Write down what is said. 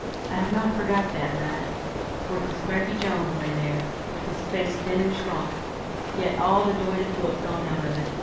I have not forgot that, lad, for 'twas Cracky Jones lay there, with his face thin and shrunk, yet all the doited look gone out of it.